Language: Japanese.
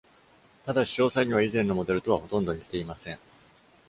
ただし、詳細には、以前のモデルとはほとんど似ていません。